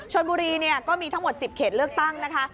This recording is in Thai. ชนบุรีก็มีทั้งหมด๑๐เขตเลือกตั้งนะคะ